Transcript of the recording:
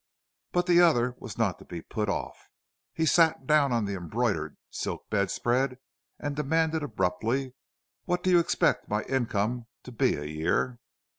But the other was not to be put off. He sat down on the embroidered silk bedspread, and demanded abruptly, "What do you expect my income to be a year?"